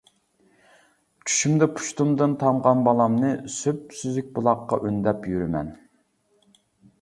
چۈشۈمدە پۇشتۇمدىن تامغان بالامنى، سۈپسۈزۈك بۇلاققا ئۈندەپ يۈرىمەن.